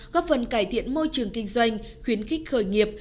góp phần cải thiện môi trường kinh doanh khuyến khích khởi nghiệp